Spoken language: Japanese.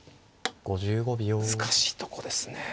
難しいとこですね。